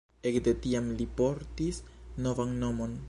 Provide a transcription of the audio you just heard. Ekde tiam li portis novan nomon.